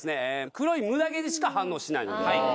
黒いムダ毛にしか反応しないのではい